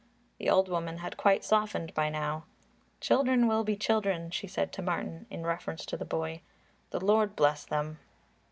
The old woman had quite softened by now. "Children will be children," she said to Martin in reference to the boy. "The Lord bless them."